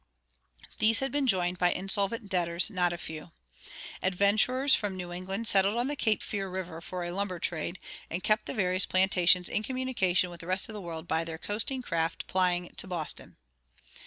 These had been joined by insolvent debtors not a few. Adventurers from New England settled on the Cape Fear River for a lumber trade, and kept the various plantations in communication with the rest of the world by their coasting craft plying to Boston.